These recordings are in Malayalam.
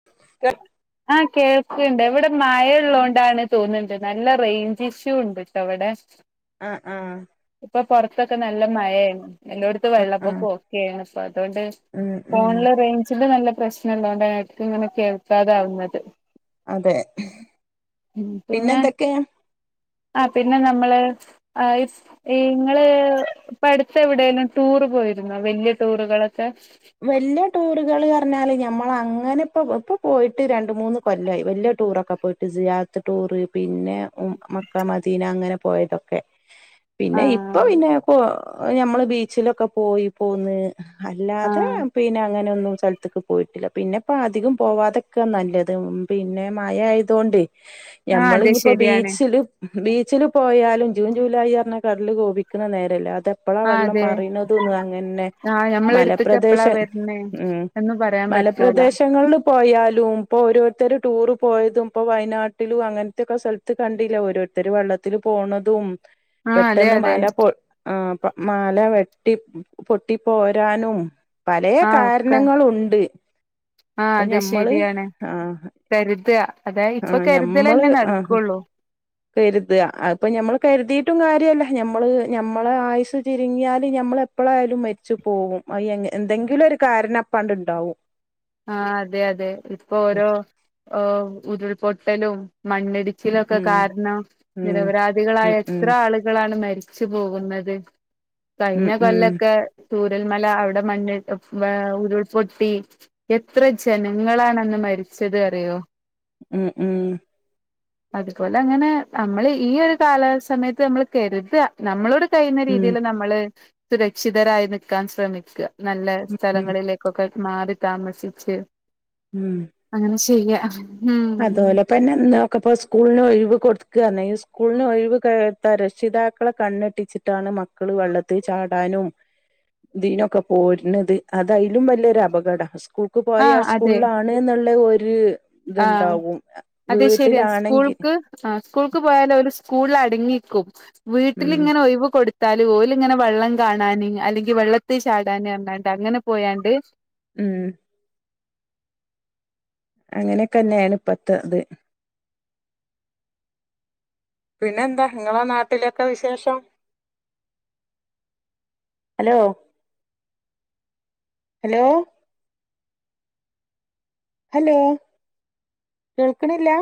[unintelligible] ആ കേൾക്കുണ്ട് ഇവിടെ മഴ ഇള്ളോണ്ടാണ് തോന്നുണ്ട് നല്ല റേഞ്ച് ഇഷ്യു ഇണ്ട് ട്ടോ ഇവടെ ആഹ് ആഹ് ഇപ്പൊ പൊറത്തൊക്കെ നല്ല മഴയാണ് എല്ലോട് ത്തും ആഹ് വെള്ളപ്പൊക്കൊ ഒക്കെണ് ഇപ്പോ അതോണ്ട് ഉം ഉം ഫോണില് റേഞ്ചിന്റെ നല്ല പ്രശ്- നം ഇള്ളോണ്ട ഇങ്ങനെഎടക്ക് ഇങ്ങനെ കേൾക്കാതാവുന്നത് അതെ മ് പിന്നെ പിന്നെന്തൊക്കെ ആ പിന്നെ നമ്മള് ആ [unintelligible] ഈ ഇങ്ങള് ഇപ്പടുത്തെവിടെലും ടൂറ് പോയിരുന്നോ വല്ല്യ ടൂറുകളൊക്കെ വല്ല്യേ ടൂറുകള് പറഞ്ഞാല് ഞമ്മള് അങ്ങനെ ഇപ്പോ ഇപ്പ പോയിട്ട് രണ്ട് മൂന്ന് കൊല്ലായി വല്ല്യ ടൂറൊക്കെ പോയിട്ട് സിയാറത്ത് ടൂറ് പിന്നെ മ് മക്ക, മദീന അങ്ങനെ പോയതൊക്കെ പിന്നെ ഇപ്പൊ ആഹ് പിന്നെ ഇപ്പൊ ഞമ്മള് ബീച്ചിലൊക്കെ പോയി പോന്നു അല്ലാതെ ആഹ് പിന്നെ അങ്ങനൊന്നും സ്ഥലത്ത്ക്ക് പോയിട്ടില്ല പിന്നെപ്പോ അധികം പോവാതക്കെ നല്ലത് മ് പിന്നെ മഴ ആയതോണ്ടെ. [inaudible] ഞമ്മള് ഇഞ്ഞിപ്പോ ശരിയാണ് ബീച്ചില് ബീച്ചില് പോയാലും ജൂൺ ജൂലൈ പറഞ്ഞ കടല് കോപിക്ക്ണ നേരല്ലേ അതപ്പ് എപ്പളാ ആഹ് വെള്ളം അതെ മറീണതും അങ്ങനെ ആഹ് മല- ഞമ്മളെട്ത്ത്ക്ക് എപ്പളാ പ്രദേശം വര്ണേ മ് എന്ന് പറയാൻ പറ്റൂല മലപ്രദേശ- ങ്ങളില് പോയാലും ഇപ്പൊ ഓരോരുത്തര് ടൂറ് പോയതും ഇപ്പ വയനാട്ടിലും അങ്ങന- ത്തൊക്കെ സ്ഥലത്ത് കണ്ടിലെ ഓരോരുത്തര് വെള്ളത്തില് പോണതും ആ അതെ പെട്ടെന്ന് അതെ മല പൊ - ആ മല വെട്ടി പൊട്ടി പോരാനും പലേ ആ ഒക്കെ കാരണങ്ങളുണ്ട്. ആ അപ്പൊ അത് ഞമ്മള് ശരിയാണ്. ആഹ് കരുത അതായ ഇപ്പൊ ആഹ് കരുതലന്നെ നടകൊള്ളൂ. [inaudible] കര്ത അത് ഇപ്പൊ ഞമ്മള് കരുതിട്ടും കാര്യല്ല ഞമ്മള് ഞമ്മളെ ആയുസ് ചുരിങ്ങിയാല് ഞമ്മള് എപ്പളയാലും മരിച്ചുപോവും അയങേ എന്തെങ്കിലൊരുകാരണം അപ്പാണ്ട്ണ്ടാവും ആഹ്‌ അതെഅതെ ഇപ്പൊരോ ഉരുൾപൊട്ടലും ഉം മണ്ണിടിച്ചിലൊക്കകാരണം ഉം ഉം ഉം നിരപരാധികളായഎത്രള് കളാണ് മരിച്ചുപോകുന്നത് ഉം ഉം കഴിഞ്ഞകൊല്ലക്കെ ചുരൽമലഅവിടെമണ്ണി മേഹ്‌ ഉരുൾപൊട്ടി എത്രജനങ്ങളാണന്ന് മരിച്ചത് അറിയോ ഉം ഉം അതുപോലഅങ്ങനെ നമ്മള്ഈഒരു കാലസമയത്ത്നമ്മള്കരുത നമ്മളൊട് ഉം കഴിയുന്നരീതില് നമ്മള് സുരക്ഷിതരായി നിക്കാൻ ശ്രമിക്ക നല്ല ഉം സ്ഥലങ്ങളിലേക്കൊക്കെ മാറിതാമസിച്ച് മ്മ് അങ്ങനെ ഷെയ്യ അതോലെ പിന്നെ നോക്കപ്പോ സ്കൂൾന്ഒഴിവ് കൊടുക്കാണെയ് സ്കൂൾന്ഒഴിവ് കേട്ടാ രക്ഷിതാക്കളെ കണ്ണെട്ടിച്ച് ട്ടാണ് മക്കള് വെള്ളത്തിൽചാടാനും ഇതിനൊക്കെ പോര്ണത് അതയിലും വല്ലൊരുഅപകട ആഹ് ക്കൂക്ക്പോയ സ്കൂൾളാണ്ന്ന്ള്ളഒര് ആഹ്‌ വീട്ടിലാണെങ്കിൽ അത്ശരിയാസ്കൂൾക്ക് ആ സ്കൂൾക്ക്പോയാലഅവര് സ്കൂൾഅടങ്ങിക്കും ഉം വീട്ടിലിങ്ങ്നെ ഒഴിവ്കൊട് ത്താല് ഓല്ങ്ങനെ വള്ളംകാണാന് അല്ലെങ്കിവെള്ളത്തീചാടാന് റ്ഞാണ്ട് അങ്ങനെപോയാണ്ട് ഉം അങ്ങനെക്കെന്നെണ് ഇപ്പത്തെത് പിന്നെന്താങ്ങളെനാട്ടിലൊക്കെവിശേഷം? ഹലോ ഹലോ ഹലോ കേൾക്ക്ണ്ല്ല?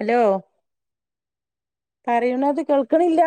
ഹലോ പറയ്ണത് കേൾക്ക്ണില്ല?